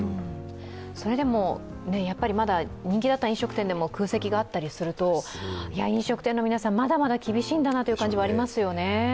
それでもまだ人気だった飲食店でも空席があったりすると飲食店の皆さんまだまだ厳しいんだなという感じがありますよね。